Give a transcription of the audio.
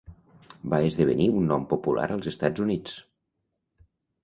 Va esdevenir un nom popular als Estats Units.